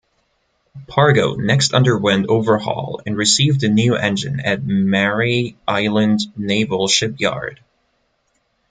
"Pargo" next underwent overhaul and received a new engine at Mare Island Naval Shipyard.